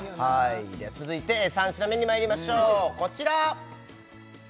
続いて３品目にまいりましょうこちら！